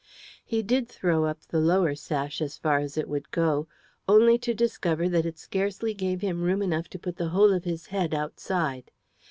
He did throw up the lower sash as far as it would go, only to discover that it scarcely gave him room enough to put the whole of his head outside.